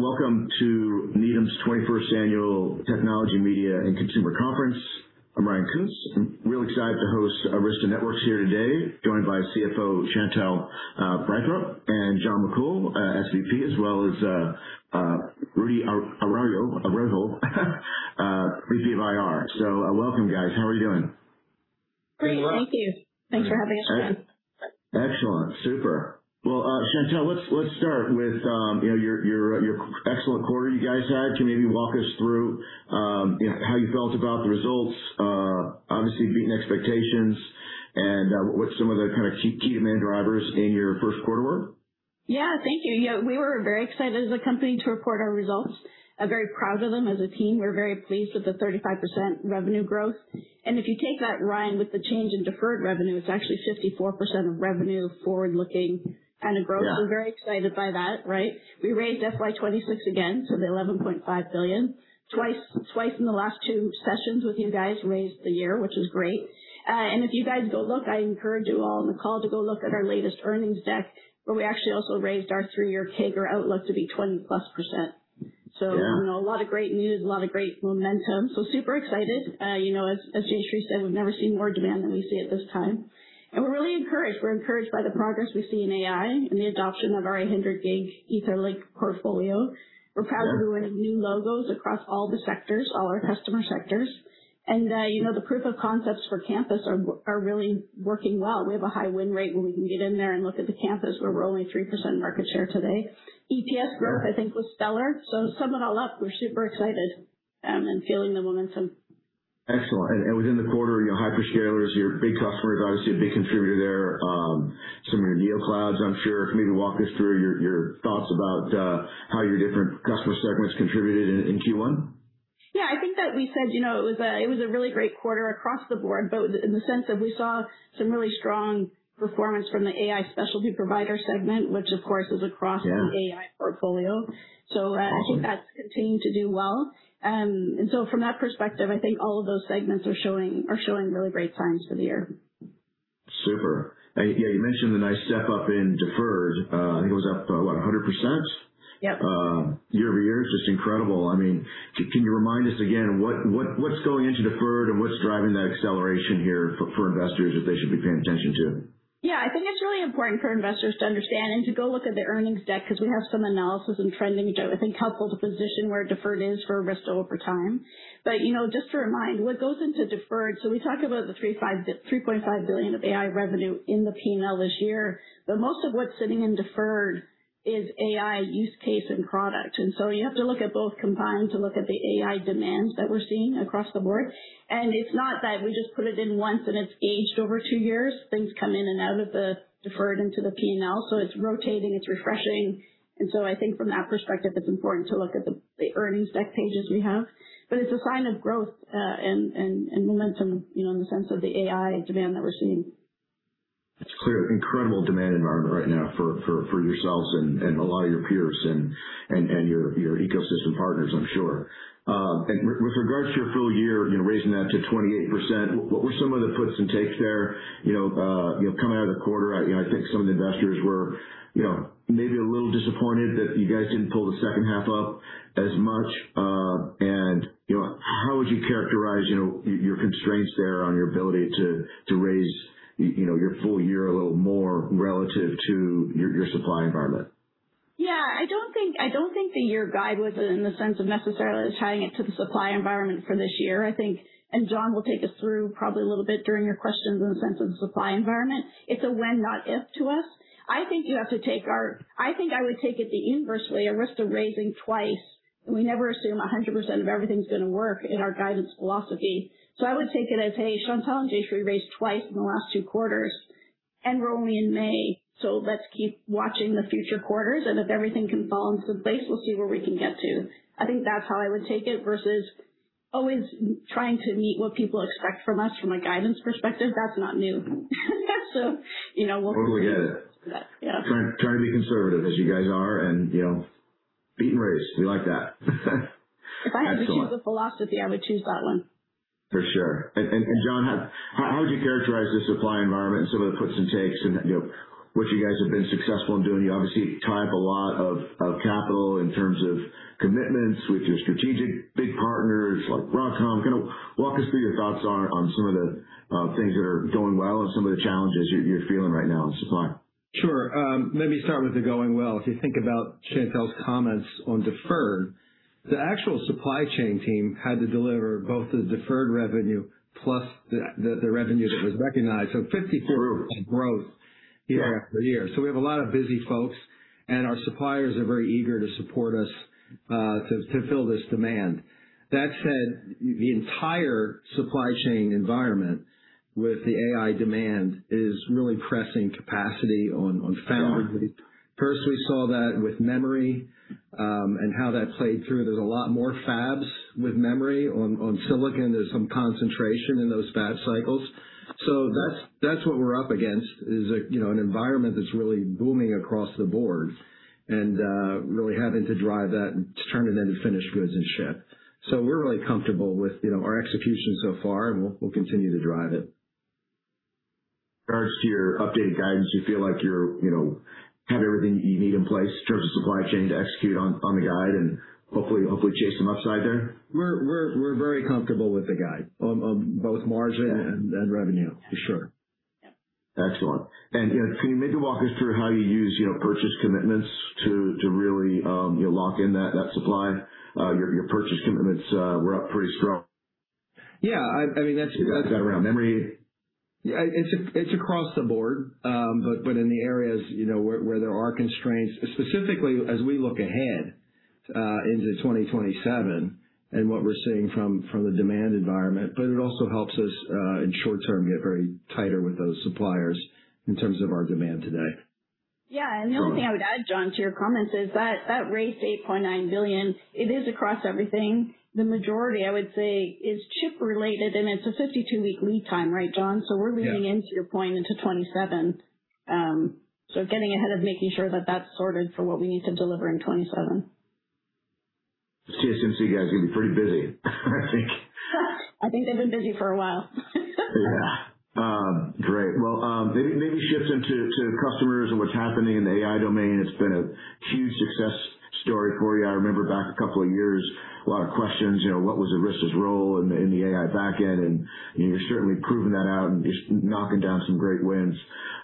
Hello, and welcome to Needham's 21st Annual Technology, Media, & Consumer Conference. I'm Ryan Koontz. I'm real excited to host Arista Networks here today, joined by CFO Chantelle Breithaupt and John McCool, SVP, as well as Rudy Araujo, VP of IR. Welcome, guys. How are you doing? Great. Thank you. Doing well. Thanks for having us on. Excellent. Super. Well, Chantelle, let's start with, you know, your excellent quarter you guys had. Can you maybe walk us through, you know, how you felt about the results, obviously beating expectations and, what some of the kinda key demand drivers in your first quarter were? Yeah. Thank you. Yeah, we were very excited as a company to report our results. I'm very proud of them as a team. We're very pleased with the 35% revenue growth. If you take that, Ryan, with the change in deferred revenue, it's actually 54% of revenue forward-looking kinda growth. Yeah. Very excited by that, right? We raised FY 2026 again, so the $11.5 billion. Twice in the last two sessions with you guys raised the year, which is great. If you guys go look, I encourage you all on the call to go look at our latest earnings deck, where we actually also raised our three-year CAGR outlook to be 20%+. Yeah. A lot of great news, a lot of great momentum. Super excited. You know, as Jayshree said, we've never seen more demand than we see at this time. We're really encouraged. We're encouraged by the progress we see in AI and the adoption of our 800 Gb Etherlink portfolio. Yeah. We're proud that we're winning new logos across all the sectors, all our customer sectors. you know, the proof of concepts for campus are really working well. We have a high win rate where we can get in there and look at the campus where we're only 3% market share today. Yeah. EPS growth, I think, was stellar. To sum it all up, we're super excited and feeling the momentum. Excellent. Within the quarter, you know, hyperscalers, your big customers, obviously a big contributor there, some of your neoclouds, I'm sure, can you maybe walk us through your thoughts about how your different customer segments contributed in Q1? Yeah, I think that we said, you know, it was a really great quarter across the board, in the sense of we saw some really strong performance from the AI specialty provider segment, which of course is across- Yeah. -the AI portfolio. Awesome. I think that's continued to do well. From that perspective, I think all of those segments are showing really great signs for the year. Super. Yeah, you mentioned the nice step up in deferred. I think it was up, what, 100%? Yep. Year-over-year is just incredible. I mean, can you remind us again, what's going into deferred and what's driving that acceleration here for investors that they should be paying attention to? I think it's really important for investors to understand and to go look at the earnings deck because we have some analysis and trending that I think helps us position where deferred is for Arista over time. You know, just to remind, what goes into deferred, so we talk about the $3.5 billion of AI revenue in the P&L this year. Most of what's sitting in deferred is AI use case and product. You have to look at both combined to look at the AI demands that we're seeing across the board. It's not that we just put it in once and it's aged over two years. Things come in and out of the deferred into the P&L, so it's rotating, it's refreshing. I think from that perspective, it's important to look at the earnings deck pages we have. It's a sign of growth, and momentum, you know, in the sense of the AI demand that we're seeing. It's clear. Incredible demand environment right now for yourselves and a lot of your peers and your ecosystem partners, I'm sure. With regards to your full year, you know, raising that to 28%, what were some of the puts and takes there? You know, coming out of the quarter, I, you know, I think some of the investors were, you know, maybe a little disappointed that you guys didn't pull the second half up as much. You know, how would you characterize, you know, your constraints there on your ability to raise, you know, your full year a little more relative to your supply environment? Yeah. I don't think the year guide was in the sense of necessarily tying it to the supply environment for this year. I think John will take us through probably a little bit during your questions in the sense of the supply environment. It's a when, not if, to us. I think you have to take it the inverse way. Arista Networks raising twice, we never assume 100% of everything's gonna work in our guidance philosophy. I would take it as, hey, Chantelle Breithaupt and Jayshree Ullal raised twice in the last two quarters, we're only in May, let's keep watching the future quarters, if everything can fall into place, we'll see where we can get to. I think that's how I would take it versus always trying to meet what people expect from us from a guidance perspective. That's not new. Totally get it. Yeah. Try to be conservative as you guys are and, you know, beat and raise. We like that. Excellent. If I had to choose a philosophy, I would choose that one. For sure. John, how would you characterize the supply environment and some of the puts and takes and, you know, what you guys have been successful in doing? You obviously tie up a lot of capital in terms of commitments with your strategic big partners like Broadcom. Kinda walk us through your thoughts on some of the things that are going well and some of the challenges you're feeling right now in supply. Sure. Let me start with the going well. If you think about Chantelle's comments on deferred, the actual supply chain team had to deliver both the deferred revenue plus the revenue that was recognized. 54% growth year-over-year. Yeah. We have a lot of busy folks, and our suppliers are very eager to support us, to fill this demand. That said, the entire supply chain environment with the AI demand is really pressing capacity on fab. Sure. First, we saw that with memory, and how that played through. There's a lot more fabs with memory. On silicon, there's some concentration in those fab cycles. That's what we're up against is a, you know, an environment that's really booming across the board and really having to drive that and to turn it into finished goods and ship. We're really comfortable with, you know, our execution so far, and we'll continue to drive it. In regards to your updated guidance, you feel like you're, you know, have everything you need in place in terms of supply chain to execute on the guide and hopefully chase some upside there? We're very comfortable with the guide on both margin and revenue for sure. Excellent. You know, can you maybe walk us through how you use, you know, purchase commitments to really, you know, lock in that supply? Your purchase commitments were up pretty strong. Yeah, I mean. Is that around memory? Yeah, it's across the board. In the areas, you know, where there are constraints, specifically as we look ahead into 2027 and what we're seeing from the demand environment, it also helps us in short term get very tighter with those suppliers in terms of our demand today. Yeah. The only thing I would add, John, to your comments is that that raise to $8.9 billion, it is across everything. The majority I would say is chip related, and it's a 52-week lead time, right, John? Yeah. We're leading into your point into 2027, so getting ahead of making sure that that's sorted for what we need to deliver in 2027. TSMC guys are gonna be pretty busy, I think. I think they've been busy for a while. Yeah. Great. Well, maybe shift into to customers and what's happening in the AI domain. It's been a huge success story for you. I remember back a couple of years, a lot of questions, you know, what was Arista's role in the AI backend? You know, you're certainly proving that out and just knocking down some great wins.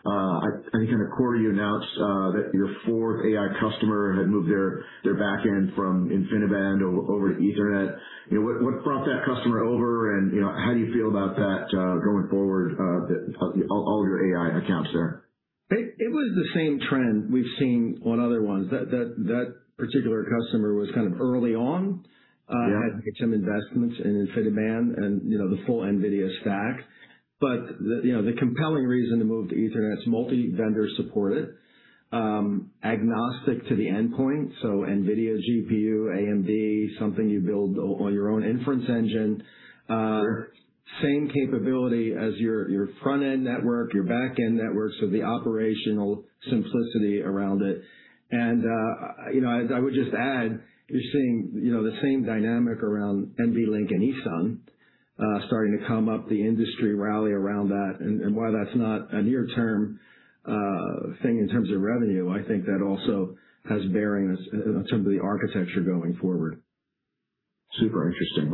I think on the quarter you announced that your fourth AI customer had moved their backend from InfiniBand over to Ethernet. You know, what brought that customer over and, you know, how do you feel about that going forward, all of your AI accounts there? It was the same trend we've seen on other ones. That particular customer was kind of early on. Yeah. Had made some investments in InfiniBand and, you know, the full NVIDIA stack. The, you know, the compelling reason to move to Ethernet is multi-vendor supported, agnostic to the endpoint, so NVIDIA GPU, AMD, something you build on your own inference engine. Sure. Same capability as your front-end network, your back-end network, so the operational simplicity around it. I would just add, you're seeing the same dynamic around NVLink and ESUN starting to come up the industry rally around that and, while that's not a near term thing in terms of revenue, I think that also has bearing in some of the architecture going forward. Super interesting.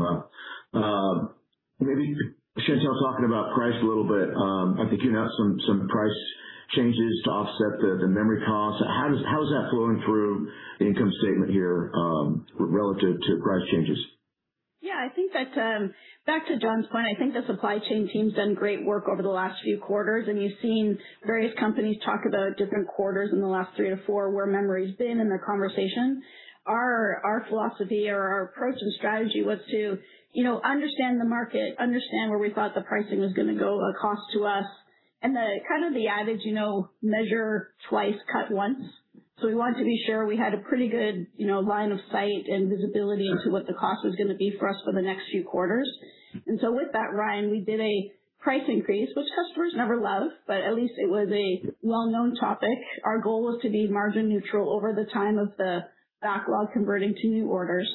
Wow. Maybe Chantelle, talking about price a little bit, I think you have some price changes to offset the memory costs. How is that flowing through the income statement here, relative to price changes? Yeah, I think that, back to John's point, I think the supply chain team's done great work over the last few quarters, and you've seen various companies talk about different quarters in the last three to four where memory's been in their conversation. Our philosophy or our approach and strategy was to, you know, understand the market, understand where we thought the pricing was gonna go, the cost to us, and the kind of the adage, you know, measure twice, cut once. We wanted to be sure we had a pretty good, you know, line of sight and visibility into what the cost was gonna be for us for the next few quarters. With that, Ryan, we did a price increase, which customers never love, but at least it was a well-known topic. Our goal was to be margin neutral over the time of the backlog converting to new orders.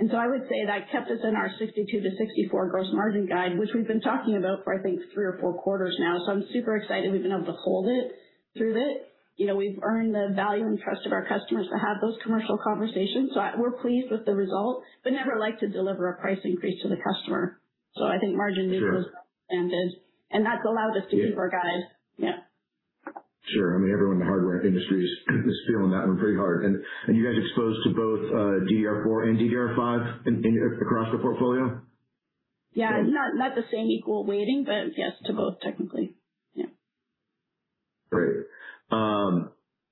I would say that kept us in our 62%-64% gross margin guide, which we've been talking about for I think three or four quarters now. I'm super excited we've been able to hold it through it. You know, we've earned the value and trust of our customers to have those commercial conversations, so we're pleased with the result, but never like to deliver a price increase to the customer. I think margin neutral. Sure. It is standard, and that's allowed us to keep our guide. Yeah. Sure. I mean, everyone in the hardware industry is feeling that one pretty hard. You guys exposed to both DDR4 and DDR5 across the portfolio? Yeah. Not the same equal weighting, but yes to both technically. Yeah. Great.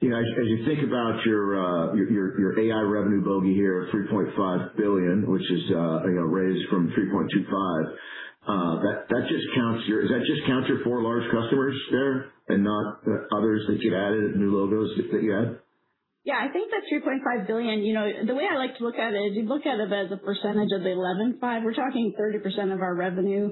You know, as you think about your AI revenue bogey here at $3.5 billion, which is, you know, raised from $3.25 billion, does that just count your four large customers there and not others that you've added, new logos that you add? Yeah. I think the $3.5 billion, you know, the way I like to look at it is you look at it as a percentage of $11.5 billion. We're talking 30% of our revenue.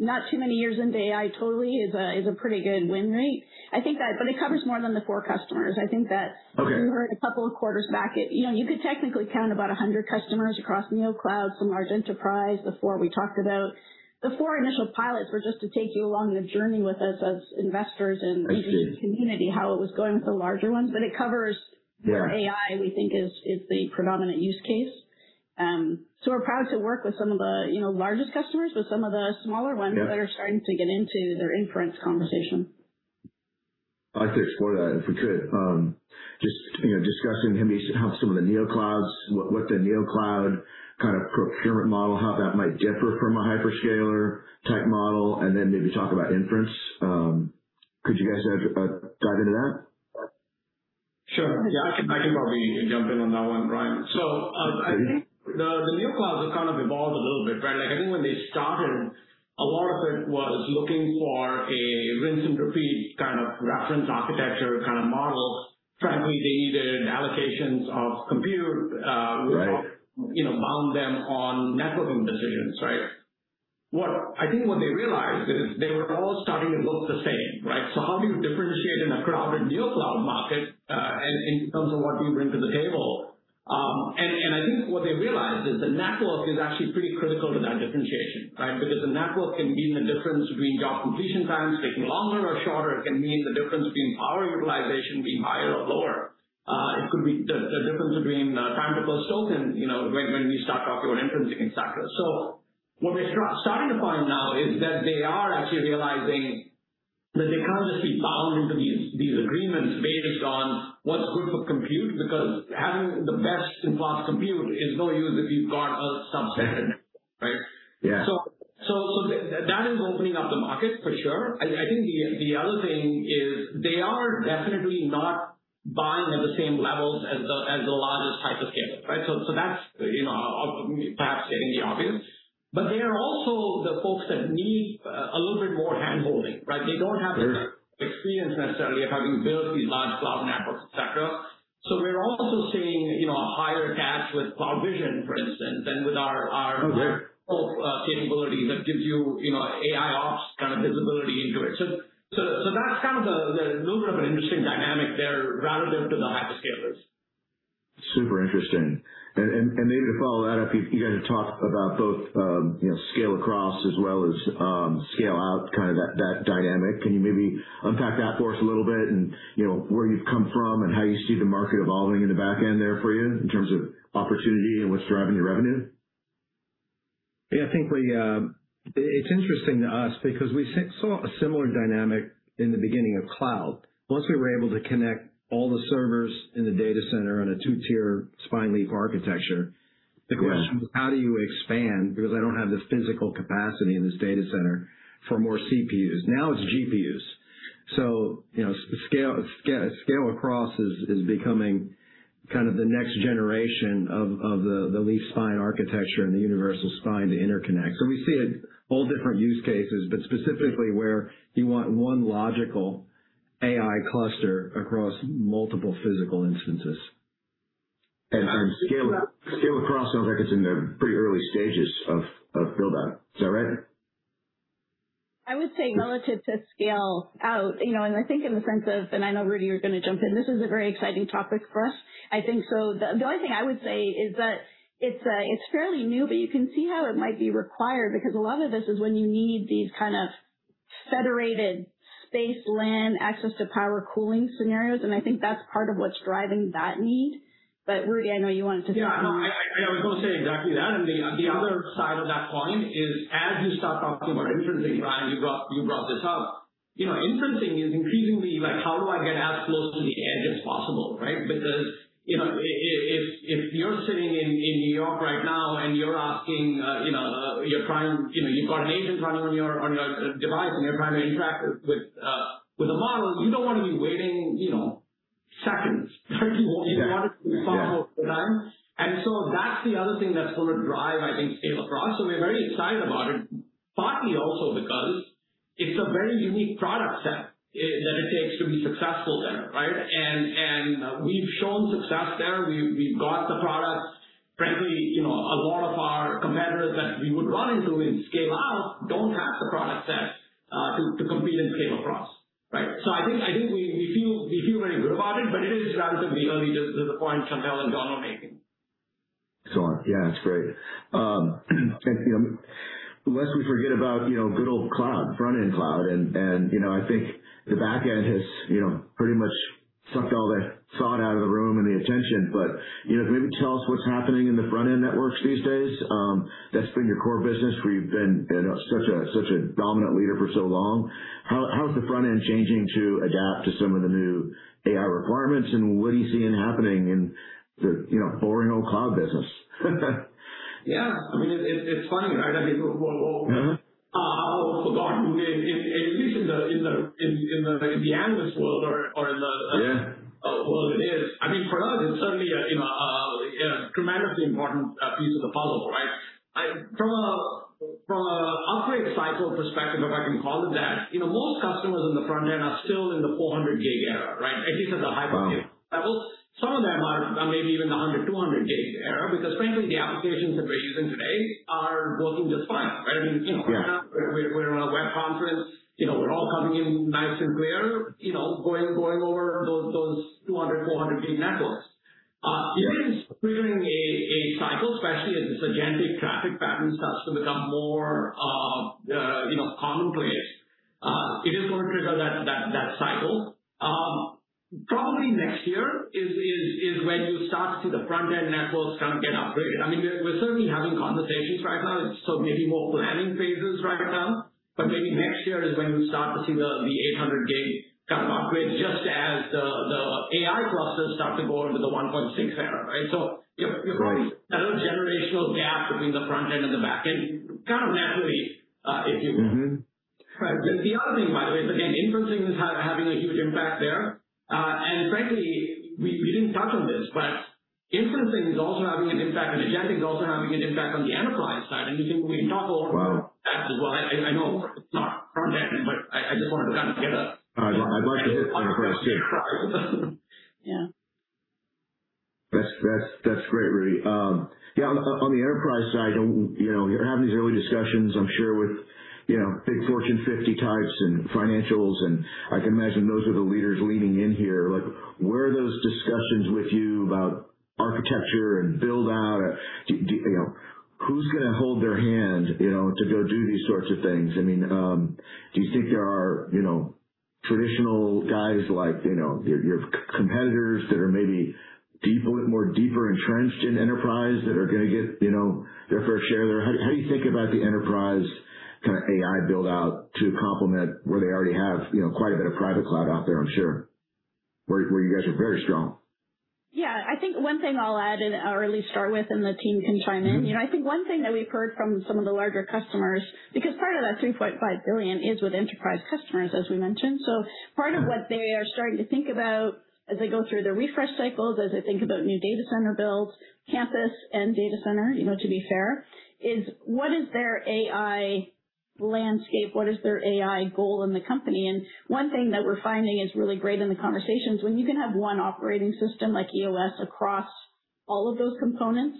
Not too many years into AI totally is a pretty good win rate. It covers more than the four customers. Okay. -you heard a couple of quarters back it, you know, you could technically count about 100 customers across neoclouds, some large enterprise. The four we talked about. The four initial pilots were just to take you along the journey with us as investors and- I see. -even the community, how it was going with the larger ones. it covers- Yeah. More AI, we think is the predominant use case. We're proud to work with some of the, you know, largest customers, but some of the smaller ones. Yeah. That are starting to get into their inference conversation. I'd like to explore that, if we could. Just, you know, discussing maybe how some of the neoclouds, what the neocloud kind of procurement model, how that might differ from a hyperscaler type model, and then maybe talk about inference, could you guys dive into that? Sure, yeah. I can probably jump in on that one, Ryan. I think the neoclouds have kind of evolved a little bit, right? Like, I think when they started, a lot of it was looking for a rinse and repeat kind of reference architecture kind of model. Frankly, they needed allocations of compute. Right. -you know, bound them on networking decisions, right? I think what they realized is they were all starting to look the same, right? How do you differentiate in a crowded neocloud market, and in terms of what do you bring to the table? I think what they realized is the network is actually pretty critical to that differentiation, right? Because the network can mean the difference between job completion times taking longer or shorter. It can mean the difference between power utilization being higher or lower. It could be the difference between time to first token, you know, when you start talking about inferencing, et cetera. What we're starting to find now is that they are actually realizing that they can't just be bound into these agreements based on what's good for compute, because having the best and fast compute is no use if you've got a subset, right? Yeah. That is opening up the market for sure. I think the other thing is they are definitely not buying at the same levels as the largest hyperscaler, right? That's, you know, perhaps stating the obvious. They are also the folks that need a little bit more hand-holding, right? Sure. -the experience necessarily of having built these large cloud networks, et cetera. We're also seeing, you know, a higher attach with CloudVision, for instance. Oh, yeah. Our full capability that gives you know, AIOps kind of visibility into it. That's kind of the a little bit of an interesting dynamic there relative to the hyperscalers. Super interesting. Maybe to follow that up, you guys have talked about both, you know, scale across as well as scale out, kind of that dynamic. Can you maybe unpack that for us a little bit and, you know, where you've come from and how you see the market evolving in the back end there for you in terms of opportunity and what's driving the revenue? I think we saw a similar dynamic in the beginning of cloud. Once we were able to connect all the servers in the data center on a two-tiered Leaf-Spine architecture, the question was: How do you expand? I don't have the physical capacity in this data center for more CPUs. Now it's GPUs. You know, scale across is becoming kind of the next generation of the Leaf-Spine architecture and the Universal Spine to interconnect. We see it all different use cases, but specifically where you want one logical AI cluster across multiple physical instances. Scale across sounds like it's in the pretty early stages of build out. Is that right? I would say relative to scale out, you know. I know, Rudy, you're gonna jump in, this is a very exciting topic for us. The only thing I would say is that it's fairly new, but you can see how it might be required because a lot of this is when you need these kind of federated space, LAN, access to power cooling scenarios, and I think that's part of what's driving that need. Rudy, I know you wanted to say something. Yeah. No, I was gonna say exactly that. The other side of that coin is as you start talking about inferencing, Ryan, you brought this up. You know, inferencing is increasingly like, how do I get as close to the edge as possible, right? You know, if you're sitting in New York right now and you're asking, you know, you're trying, you know, you've got an agent running on your device and you're trying to interact with a model, you don't wanna be waiting, you know, seconds, right? Yeah. You want it to be far more real time. That's the other thing that's going to drive, I think, scale across. We're very excited about it, partly also because it's a very unique product set that it takes to be successful there, right? We've shown success there. We've got the products. Frankly, you know, a lot of our competitors that we would run into in scale out don't have the product set to compete in scale across, right? I think we feel very good about it, but it is relatively early, just to the point Chantelle and John are making. Sure. Yeah, it's great. You know, lest we forget about, you know, good old cloud, front-end cloud. You know, I think the back end has, you know, pretty much sucked all the sod out of the room and the attention. You know, maybe tell us what's happening in the front-end networks these days. That's been your core business where you've been, you know, such a dominant leader for so long. How is the front-end changing to adapt to some of the new AI requirements, and what are you seeing happening in the, you know, boring old cloud business? I mean, it's funny, right? Forgotten, at least in the analyst world or in the- Yeah. -world it is. I mean, for us, it's certainly a, you know, a tremendously important piece of the puzzle, right? From a upgrade cycle perspective, if I can call it that, you know, most customers in the front end are still in the 400 Gb era, right? At least at the hyperscale level. Some of them are maybe even 100 Gb, 200 Gb era, because frankly, the applications that we're using today are working just fine, right? Yeah. We're in a web conference. You know, we're all coming in nice and clear, you know, going over those 200 Gb, 400 Gb networks. It is triggering a cycle, especially as this agentic traffic pattern starts to become more, you know, commonplace. It is gonna trigger that cycle. Probably next year is when you start to see the front-end networks kind of get upgraded. I mean, we're certainly having conversations right now. It's still maybe more planning phases right now, but maybe next year is when you start to see the 800 Gb kind of upgrade, just as the AI clusters start to go into the 1.6 Tb era, right? Right. At a generational gap between the front end and the back end, kind of naturally, if you will. The other thing, by the way, is again, inferencing is having a huge impact there. Frankly, we didn't touch on this, but inferencing is also having an impact, and agentic is also having an impact on the enterprise side. Wow. -bit about that as well. I know it's not front end, but I just wanted to kind of get a- I'd love to hit on enterprise too. Yeah. That's great, Rudy. Yeah, on the enterprise side, you know, you're having these early discussions, I'm sure with, you know, big Fortune 500 types and financials, and I can imagine those are the leaders leaning in here. Like, where are those discussions with you about architecture and build out? Do you know, who's gonna hold their hand, you know, to go do these sorts of things? I mean, do you think there are, you know, traditional guys like, you know, your competitors that are maybe deeper, more deeper entrenched in enterprise that are gonna get, you know, their fair share there? How do you think about the enterprise kinda AI build out to complement where they already have, you know, quite a bit of private cloud out there, I'm sure, where you guys are very strong. Yeah. I think one thing I'll add in or at least start with, and the team can chime in. You know, I think one thing that we've heard from some of the larger customers, because part of that $3.5 billion is with enterprise customers, as we mentioned. Part of what they are starting to think about as they go through their refresh cycles, as they think about new data center builds, campus and data center, you know, to be fair, is what is their AI landscape? What is their AI goal in the company? One thing that we're finding is really great in the conversations, when you can have one operating system like EOS across all of those components,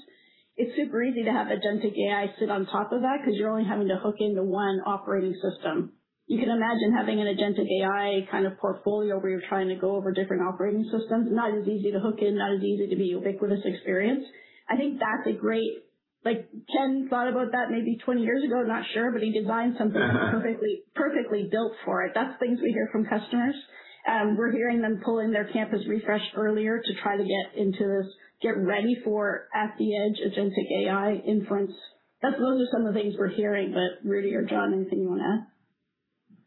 it's super easy to have agentic AI sit on top of that 'cause you're only having to hook into one operating system. You can imagine having an agentic AI kind of portfolio where you're trying to go over different operating systems. Not as easy to hook in, not as easy to be ubiquitous experience. I think that's a great Like, Ken thought about that maybe 20 years ago, not sure, but he designed something. Perfectly built for it. That's things we hear from customers. We're hearing them pulling their campus refresh earlier to try to get into this, get ready for at-the-edge agentic AI inference. Those are some of the things we're hearing. Rudy or John, anything you wanna add?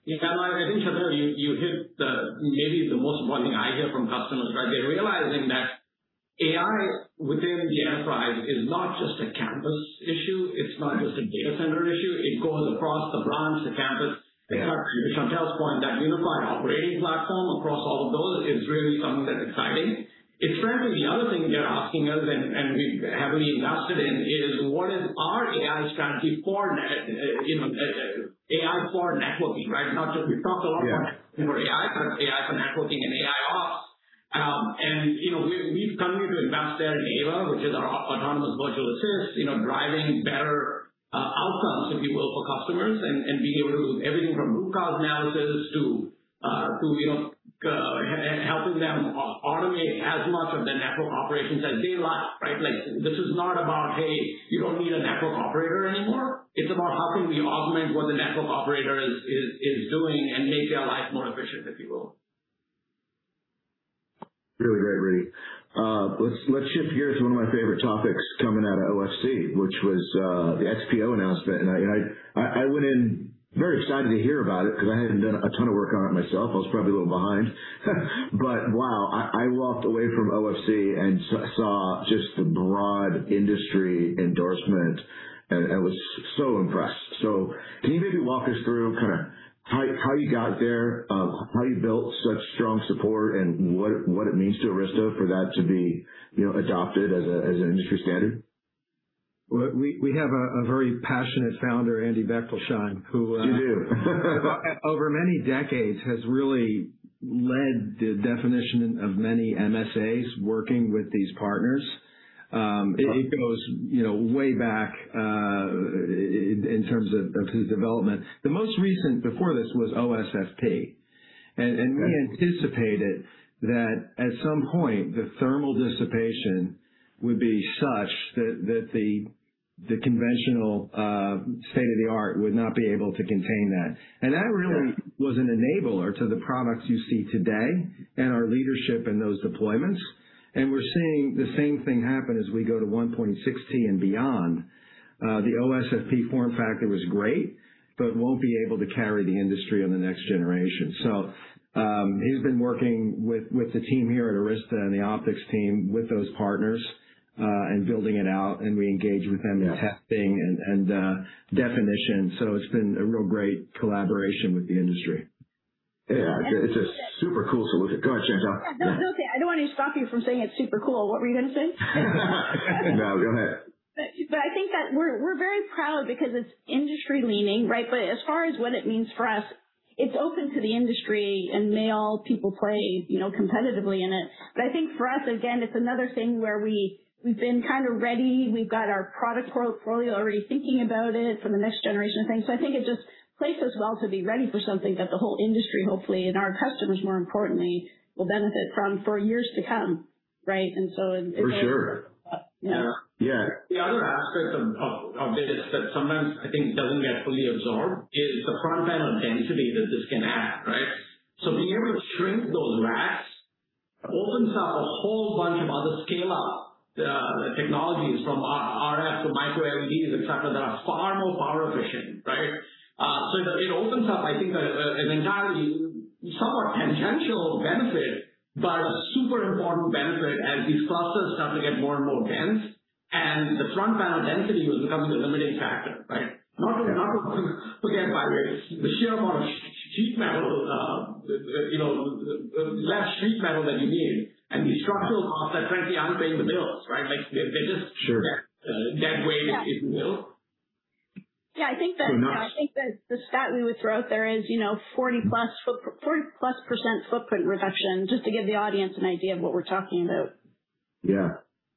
Yeah. No, I think, Chantelle, you hit the maybe the most important thing I hear from customers, right? They're realizing that AI within the enterprise is not just a campus issue, it's not just a data center issue. It goes across the branch, the campus. They have, to Chantelle's point, that unified operating platform across all of those is really something that's exciting. Interestingly, the other thing they're asking us and we heavily invested in is what is our AI strategy for, you know, AI for networking, right? Not just we've talked a lot about- Yeah. AI, but AI for networking and AIOps. You know, we've continued to invest there in AVA, which is our Autonomous Virtual Assist, you know, driving better outcomes, if you will, for customers and being able to do everything from root cause analysis to helping them automate as much of their network operations as they like, right? Like, this is not about, hey, you don't need a network operator anymore. It's about how can we augment what the network operator is doing and make their life more efficient, if you will. Really great, Rudy. Let's shift gears to one of my favorite topics coming out of OFC, which was the XPO announcement. I went in very excited to hear about it 'cause I hadn't done a ton of work on it myself. I was probably a little behind. Wow, I walked away from OFC and saw just the broad industry endorsement and was so impressed. Can you maybe walk us through kinda how you got there, how you built such strong support and what it means to Arista for that to be, you know, adopted as an industry standard? Well, we have a very passionate founder, Andy Bechtolsheim, who- You do. Over many decades has really led the definition of many MSAs working with these partners. Okay. It goes, you know, way back in terms of his development. The most recent before this was OSFP. Okay. We anticipated that at some point the thermal dissipation would be such that the conventional state-of-the-art would not be able to contain that. That really was an enabler to the products you see today and our leadership in those deployments. We're seeing the same thing happen as we go to 1.6 Tb and beyond. The OSFP form factor was great, but won't be able to carry the industry on the next generation. He's been working with the team here at Arista and the optics team with those partners and building it out, and we engage with them in testing. Yeah. Definition. It's been a real great collaboration with the industry. Yeah. It's a super cool solution. Go ahead, Chantelle. No, it's okay. I don't want to stop you from saying it's super cool. What were you gonna say? No, go ahead. I think that we're very proud because it's industry leading, right? As far as what it means for us, it's open to the industry and may all people play, you know, competitively in it. I think for us, again, it's another thing where we've been kinda ready. We've got our product portfolio already thinking about it for the next generation of things. I think it just plays us well to be ready for something that the whole industry, hopefully, and our customers, more importantly, will benefit from for years to come, right? For sure. You know. Yeah. The other aspect of this that sometimes I think doesn't get fully absorbed is the front panel density that this can add, right? Being able to shrink those racks opens up a whole bunch of other scale-up technologies from RF to MicroLEDs, et cetera, that are far more power efficient, right? It opens up, I think, an entirely somewhat tangential benefit, but a super important benefit as these clusters start to get more and more dense and the front panel density was becoming the limiting factor, right? Not to forget fiber. The sheer amount of sheet metal, you know, less sheet metal that you need, and the structural costs are frankly aren't paying the bills, right? Like, they're just- Sure. That way it will. Yeah, I think. Nice. I think that the stat we would throw out there is, you know, 40%+ footprint reduction, just to give the audience an idea of what we're talking about. Yeah.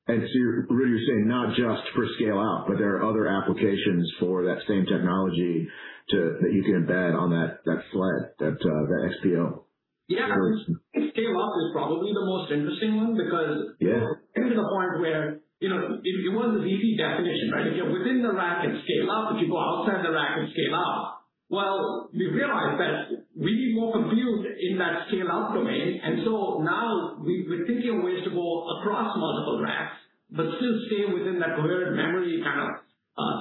You're, Rudy, you're saying not just for scale-out, but there are other applications for that same technology that you can embed on that XPO. Yeah. Scale out is probably the most interesting one because- Yeah. Getting to the point where, you know, if you want the easy definition, right? If you're within the rack and scale up, if you go outside the rack and scale up, well, we realized that we need more compute in that scale out domain. Now we're thinking of ways to go across multiple racks but still stay within that coherent memory kind of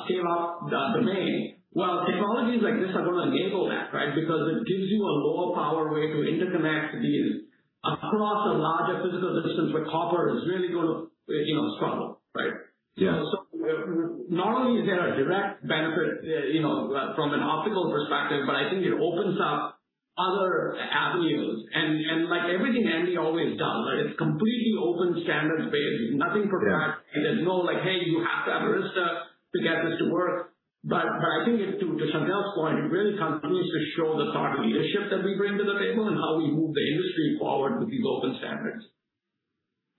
scale out domain. Well, technologies like this are going to enable that, right? Because it gives you a lower power way to interconnect these across a larger physical distance, but copper is really gonna, you know, struggle, right? Yeah. Not only is there a direct benefit, you know, from an optical perspective, but I think it opens up other avenues and like everything Andy always does, like it's completely open standards based, nothing proprietary. There's no like, "Hey, you have to have Arista to get this to work." But I think it to Chantelle's point, it really continues to show the thought leadership that we bring to the table and how we move the industry forward with these open standards.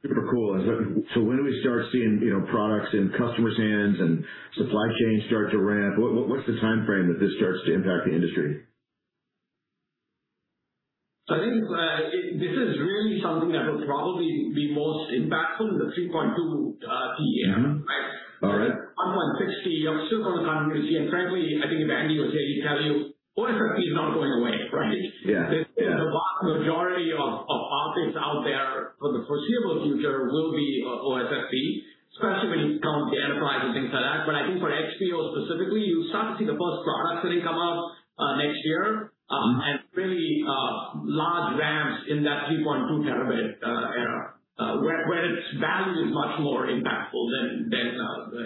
Super cool. When do we start seeing, you know, products in customers' hands and supply chains start to ramp? What's the timeframe that this starts to impact the industry? I think, this is really something that will probably be most impactful in the 3.2 Tbps, right? All right. 1.6 Tb, you're still going to continue to see, and frankly, I think if Andy was here, he'd tell you OSFP is not going away, right? Yeah. The vast majority of optics out there for the foreseeable future will be OSFP, especially when you count the enterprise and things like that. I think for XPO specifically, you'll start to see the first products really come out next year, and really large ramps in that 3.2 Tb era, where its value is much more impactful than,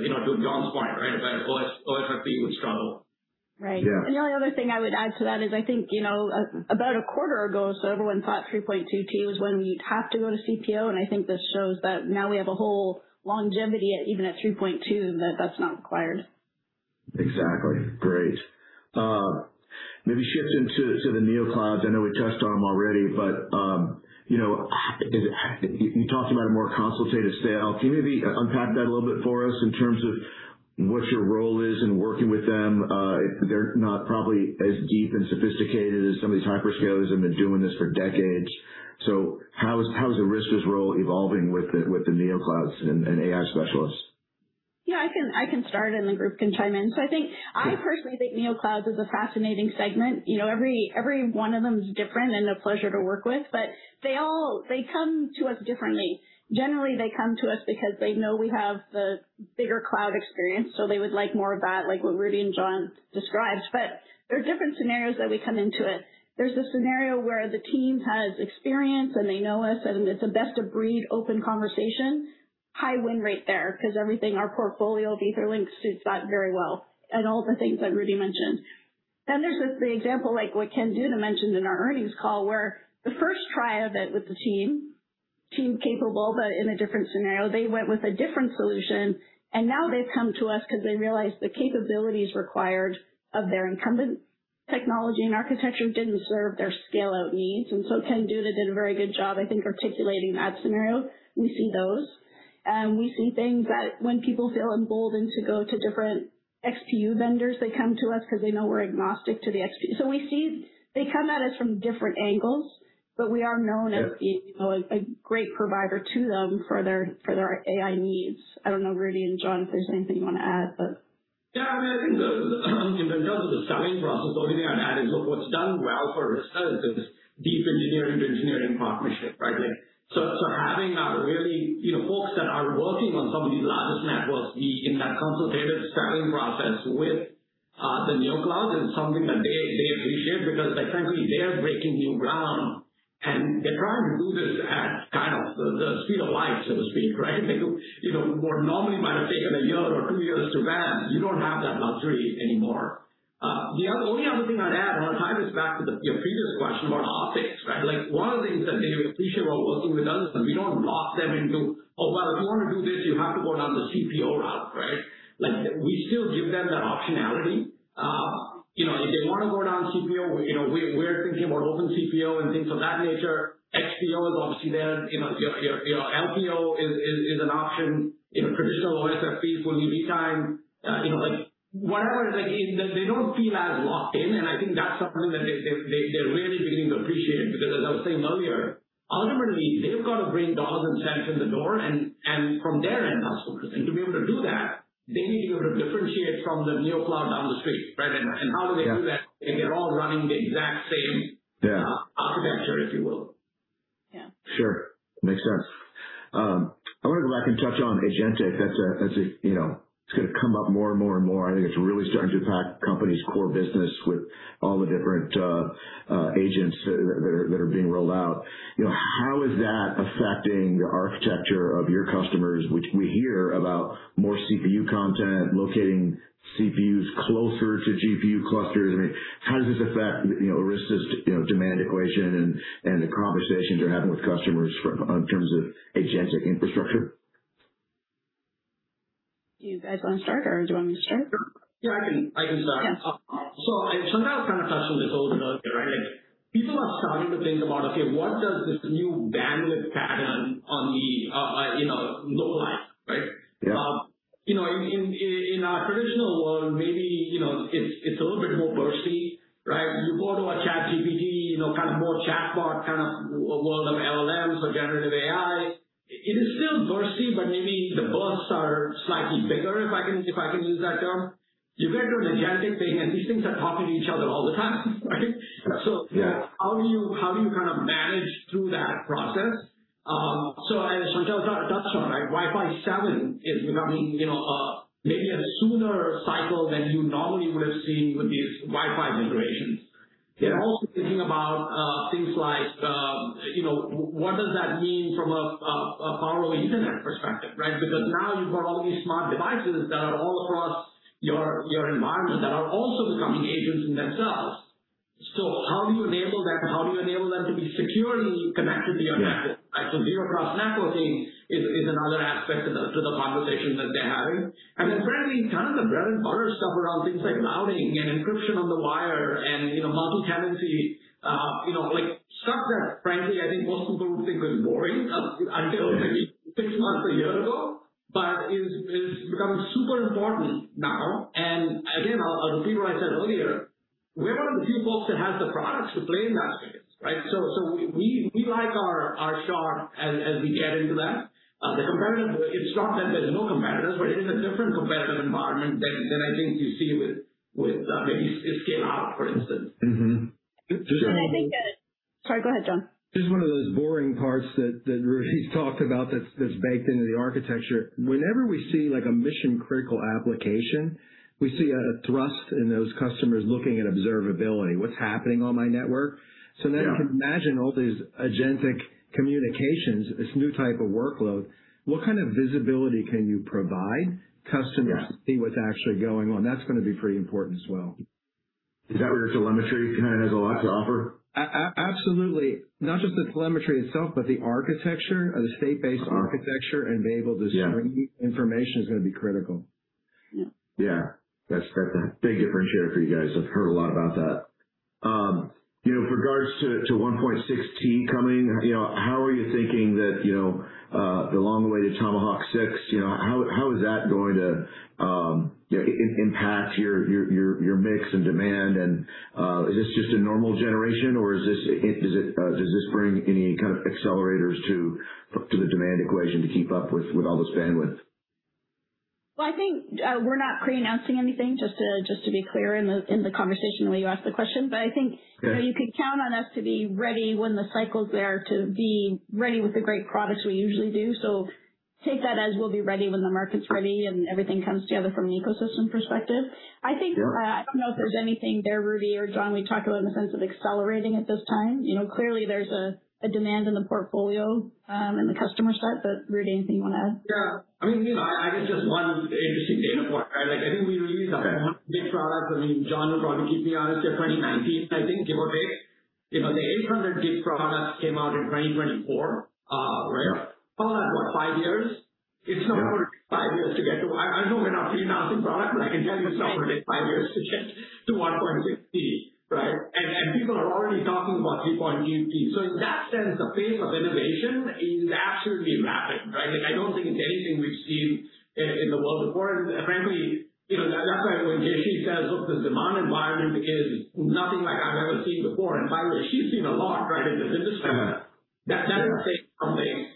you know, to John's point, right, where OSFP would struggle. Right. Yeah. The only other thing I would add to that is I think, you know, about a quarter ago everyone thought 3.2 Tb was when we'd have to go to CPO, and I think this shows that now we have a whole longevity even at 3.2 Tb, that that's not required. Exactly. Great. Maybe shift into the neoclouds. I know we touched on them already, but, you know, you talked about a more consultative sale. Can you maybe unpack that a little bit for us in terms of what your role is in working with them? They're not probably as deep and sophisticated as some of these hyperscalers have been doing this for decades. How is Arista's role evolving with the neoclouds and AI specialists? Yeah, I can start and the group can chime in. I personally think neoclouds is a fascinating segment. You know, every one of them is different and a pleasure to work with, they all come to us differently. Generally, they come to us because they know we have the bigger cloud experience, they would like more of that, like what Rudy and John described. There are different scenarios that we come into it. There's a scenario where the team has experience and they know us, it's a best of breed open conversation. High win rate there because our portfolio of Etherlink suits that very well, all the things that Rudy mentioned. There's the example like what Ken Duda mentioned in our earnings call, where the first try of it with the team capable, but in a different scenario, they went with a different solution, and now they've come to us because they realized the capabilities required of their incumbent technology and architecture didn't serve their scale out needs. Ken Duda did a very good job, I think, articulating that scenario. We see those, and we see things that when people feel emboldened to go to different XPU vendors, they come to us because they know we're agnostic to the XPU. We see they come at us from different angles, but we are known as, you know, a great provider to them for their AI needs. I don't know, Rudy and John, if there's anything you want to add. Yeah, I mean, I think the, in terms of the selling process, the only thing I'd add is, look, what's done well for Arista is this deep engineering to engineering partnership, right? Like, so having our really, you know, folks that are working on some of these largest networks be in that consultative selling process with the neoclouds is something that they appreciate because, like, frankly, they're breaking new ground, and they're trying to do this at kind of the speed of light, so to speak, right? Like, you know, what normally might have taken a year or two years to ramp, you don't have that luxury anymore. Only other thing I'd add, and I'll tie this back to the, your previous question about optics, right? One of the things that they appreciate while working with us is we don't lock them into, "Oh, well, if you want to do this, you have to go down the CPO route," right? We still give them that optionality. You know, if they want to go down CPO, you know, we're thinking about open CPO and things of that nature. XPO is obviously there. You know, your LPO is an option. You know, traditional OSFPs will be value over time. You know, like whatever, they don't feel as locked in, and I think that's something that they're really beginning to appreciate because as I was saying earlier, ultimately they've got to bring dollars and cents in the door and from their end customers. To be able to do that, they need to be able to differentiate from the neocloud down the street, right? How do they do that if they're all running the exact same? Yeah Architecture, if you will. Yeah. Sure. Makes sense. I wanted to go back and touch on agentic. That's a, you know, it's going to come up more and more and more. I think it's really starting to impact companies' core business with all the different agents that are being rolled out. You know, how is that affecting the architecture of your customers? Which we hear about more CPU content, locating CPUs closer to GPU clusters. I mean, how does this affect, you know, Arista's, you know, demand equation and the conversations you're having with customers in terms of agentic infrastructure? Do you guys wanna start or do you want me to start? Sure. Yeah, I can start. Yeah. Chantelle kind of touched on this a little bit earlier, right? Like people are starting to think about, okay, what does this new bandwidth pattern on the, you know, look like, right? Yeah. You know, in our traditional world, it's a little bit more bursty, right? You go to a ChatGPT, you know, kind of more chatbot, kind of a world of LLM, so generative AI. It is still bursty, but maybe the bursts are slightly bigger, if I can use that term. You get your agentic thing, and these things are talking to each other all the time, right? Yeah. How do you kind of manage through that process? As Chantelle touched on, right, Wi-Fi 7 is becoming, you know, maybe a sooner cycle than you normally would have seen with these Wi-Fi generations. Yeah. Also thinking about, things like, you know, what does that mean from a Power over Ethernet perspective, right? Now you've got all these smart devices that are all across your environment that are also becoming agents in themselves. How do you enable them? How do you enable them to be securely connected via network? Yeah. Zero trust networking is another aspect to the conversation that they're having. Frankly, kind of the bread and butter stuff around things like routing and encryption on the wire and, you know, multi-tenancy. You know, like stuff that frankly, I think most people would think is boring, until maybe six months or a year ago. Is becoming super important now. Again, the people I said earlier, we're one of the few folks that has the products to play in that space, right? We like our shot as we get into that. It's not that there's no competitors, but it is a different competitive environment than I think you see with maybe Cisco and Aruba, for instance. Sorry, go ahead, John. Just one of those boring parts that Rudy talked about that's baked into the architecture. Whenever we see like a mission-critical application, we see a thrust in those customers looking at observability. What's happening on my network? Yeah. You can imagine all these agentic communications, this new type of workload. What kind of visibility can you provide customers? Yeah. -to see what's actually going on? That's gonna be pretty important as well. Is that where your telemetry kind of has a lot to offer? Absolutely. Not just the telemetry itself, but the architecture, the state-based architecture, enabled to stream information is going to be critical. Yeah. That's a big differentiator for you guys. I've heard a lot about that. You know, regards to 1.6 Tb coming, you know, how are you thinking that, you know, the long way to Tomahawk 6, how is that going to impact your mix and demand? Is this just a normal generation or does this bring any kind of accelerators to the demand equation to keep up with all this bandwidth? Well, I think, we're not pre-announcing anything, just to be clear in the conversation the way you asked the question. Yeah -you know, you could count on us to be ready when the cycle's there to be ready with the great products we usually do. Take that as we'll be ready when the market's ready and everything comes together from an ecosystem perspective. Sure. I think, I don't know if there's anything there, Rudy or John, we talked about in the sense of accelerating at this time. You know, clearly there's a demand in the portfolio, and the customer set. Rudy, anything you want to add? Yeah. I mean, you know, I guess just one interesting data point, right? Like, I think we released our first big product. I mean, John will probably keep me honest here, 2019, I think, give or take. You know, the 800 Gb products came out in 2024, right? Call that, what, five years. Yeah. It's not gonna take five years to get to I know we're not pre-announcing product, but I can tell you it's not gonna take five years to get to 1.6 Tb, right? People are already talking about 3.2 Tb. In that sense, the pace of innovation is absolutely rapid, right? Like, I don't think it's anything we've seen in the world before. Frankly, you know, that's why when JC says, look, the demand environment is nothing like I've ever seen before. By the way, she's seen a lot, right, in the business. That says something.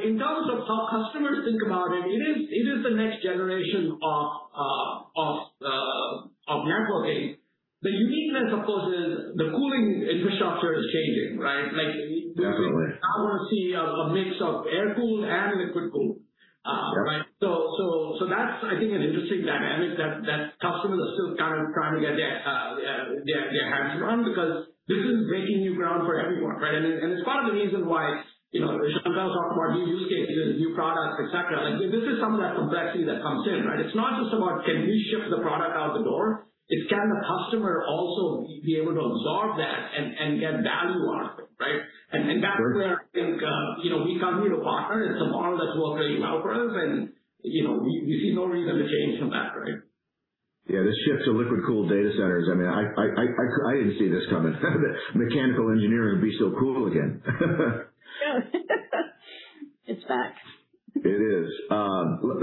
In terms of how customers think about it is the next generation of networking. The uniqueness, of course, is the cooling infrastructure is changing, right? Absolutely. We're now gonna see a mix of air cool and liquid cool. Right. That's I think an interesting dynamic that customers are still kind of trying to get their hands around because this is breaking new ground for everyone, right? I mean, it's part of the reason why, you know, Chantelle talked about new use cases, new products, et cetera. Like, this is some of that complexity that comes in, right? It's not just about can we ship the product out the door? It's can the customer also be able to absorb that and get value out of it, right? That's where I think, you know, we come here to partner, and Tomahawk has worked very well for us. You know, we see no reason to change from that, right? Yeah. This shift to liquid cooled data centers, I mean, I didn't see this coming. Mechanical engineering would be so cool again. It's back. It is.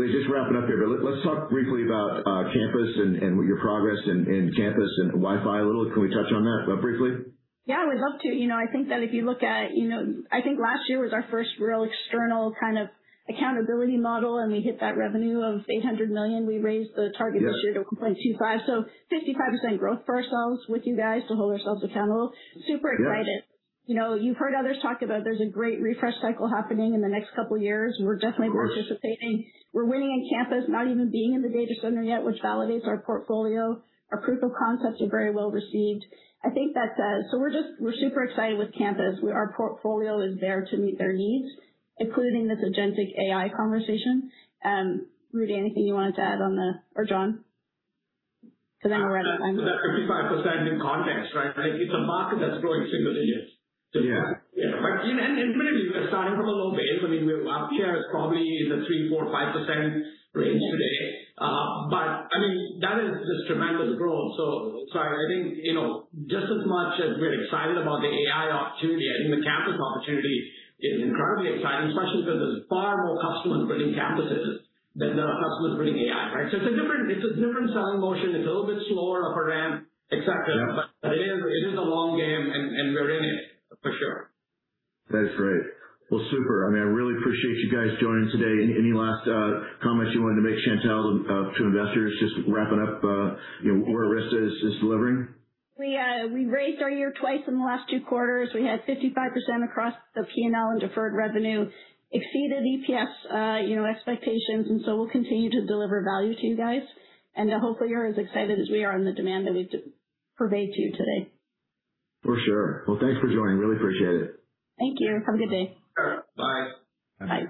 Just wrapping up here, let's talk briefly about campus and your progress in campus and Wi-Fi a little. Can we touch on that briefly? Yeah, I would love to. You know, I think that if you look at, you know, I think last year was our first real external kind of accountability model, and we hit that revenue of $800 million. We raised the target this year to $1.25 billion. 55% growth for ourselves with you guys to hold ourselves accountable. Yeah. Super excited. You know, you've heard others talk about there's a great refresh cycle happening in the next couple years. Of course. We're definitely participating. We're winning in campus, not even being in the data center yet, which validates our portfolio. Our proof of concepts are very well received. I think we're super excited with campus. Our portfolio is there to meet their needs, including this agentic AI conversation. Rudy, anything you wanted to add on the or John? We're right on time. That 55% in context, right? Like it's a market that's growing triple digits. Yeah. Admittedly, we're starting from a low base. I mean, our share is probably in the 3%, 4%, 5% range today. I mean, that is just tremendous growth. Sorry, I think, you know, just as much as we're excited about the AI opportunity, I think the campus opportunity is incredibly exciting, especially because there's far more customers building campuses than there are customers building AI, right? It's a different, it's a different selling motion. It's a little bit slower of a ramp, et cetera. Yeah. It is a long game, and we're in it for sure. That is great. Well, super. I mean, I really appreciate you guys joining today. Any last comments you wanted to make, Chantelle, to investors, just wrapping up, you know, where Arista is delivering? We raised our year twice in the last two quarters. We had 55% across the P&L and deferred revenue, exceeded EPS, you know, expectations, and so we'll continue to deliver value to you guys. Hopefully you're as excited as we are on the demand that we've conveyed to you today. For sure. Well, thanks for joining. Really appreciate it. Thank you. Have a good day. Bye. Bye.